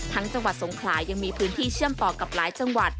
จังหวัดสงขลายังมีพื้นที่เชื่อมต่อกับหลายจังหวัด